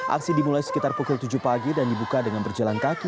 aksi dimulai sekitar pukul tujuh pagi dan dibuka dengan berjalan kaki